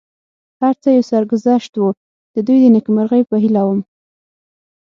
هر څه یو سرګذشت و، د دوی د نېکمرغۍ په هیله ووم.